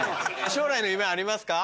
将来の夢はありますか？